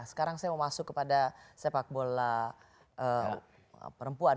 sekarang saya mau masuk kepada sepak bola perempuan